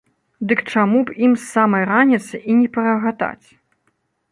Дык чаму б ім з самай раніцы і не парагатаць.